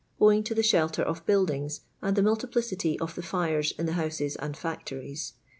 owinc to the shelter of buildintjs and the nuilli pliciiy of the tires in the houses and factories.